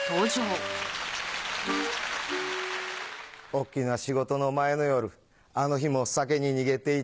大っきな仕事の前の夜あの日も酒に逃げていた。